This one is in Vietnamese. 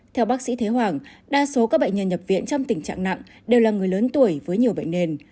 theo bác sĩ thế hoàng đa số các bệnh nhân nhập viện trong tình trạng nặng đều là người lớn tuổi với nhiều bệnh nền